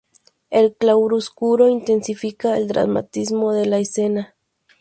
El claroscuro intensifica el dramatismo de la escena.